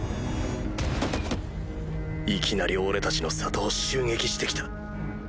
いきなり俺たちの里を襲撃して来た。